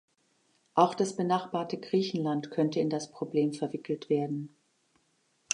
Auch das benachbarte Griechenland könnte in das Problem verwickelt werden.